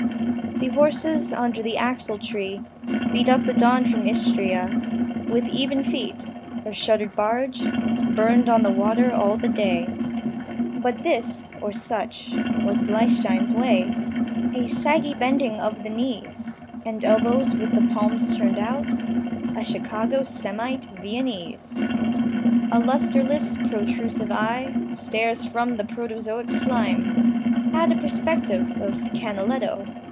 The horses, under the axletree Beat up the dawn from Istria With even feet. Her shuttered barge Burned on the water all the day. But this or such was Bleistein's way: A saggy bending of the knees And elbows, with the palms turned out, Chicago Semite Viennese. A lustreless protrusive eye Stares from the protozoic slime At a perspective of Canaletto.